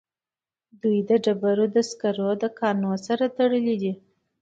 دوی د ډبرو سکارو له کانونو سره تړلي دي